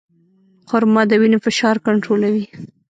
خرما د وینې فشار کنټرولوي.